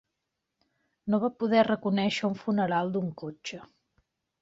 No va poder reconèixer un funeral d"un cotxe.